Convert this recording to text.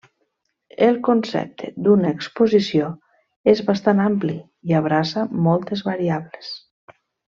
El concepte d'una exposició és bastant ampli i abraça moltes variables.